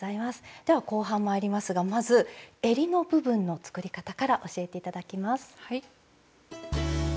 では後半まいりますがまずえりの部分の作り方から教えて頂きます。